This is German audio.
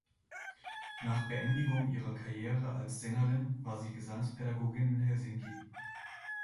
Nach Beendigung ihrer Karriere als Sängerin war sie Gesangspädagogin in Helsinki.